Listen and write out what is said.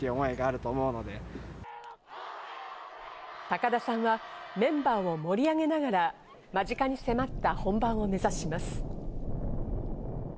高田さんはメンバーを盛り上げながら間近に迫った本番を目指します。